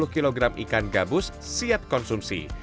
dua puluh kg ikan gabus siap konsumsi